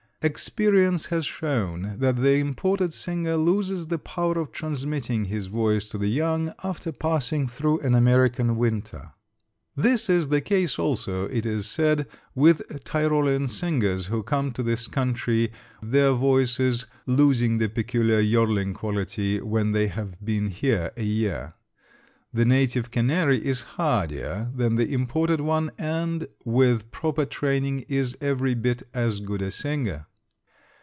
Experience has shown that the imported singer loses the power of transmitting his voice to the young after passing through an American winter. This is the case also, it is said, with Tyrolean singers who come to this country, their voices losing the peculiar yodling quality when they have been here a year. The native canary is hardier than the imported one, and, with proper training, is every bit as good a singer.